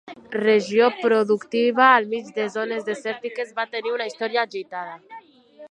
Regió productiva al mig de zones desèrtiques, va tenir una història agitada.